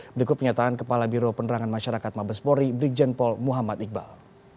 berikut penyataan kepala biro penerangan masyarakat mabespori brigjen pol muhammad iqbal